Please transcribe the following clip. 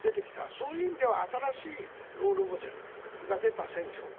そういう意味では新しいロールモデルが出た選挙。